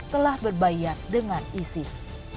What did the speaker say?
telah berbayat dengan isis